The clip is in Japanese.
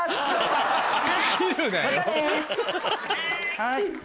はい。